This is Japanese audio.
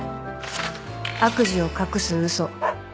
悪事を隠す嘘。